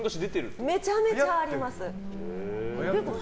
めちゃめちゃあります。